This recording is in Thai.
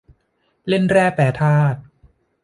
เล่นแร่แปรธาตุ